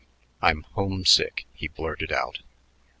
"I'm homesick!" he blurred out.